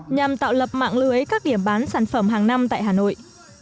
nhằm tạo lập mạng lưới các điểm bán sản phẩm hàng năm tại hà nội